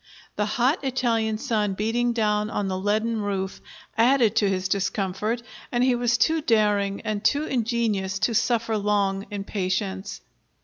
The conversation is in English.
The hot Italian sun beating down on the leaden roof added to his discomfort, and he was too daring and too ingenious to suffer long in patience.